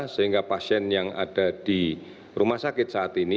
sehingga pasien yang ada di rumah sakit saat ini